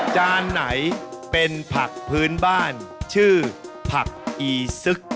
ไหนเป็นผักพื้นบ้านชื่อผักอีซึก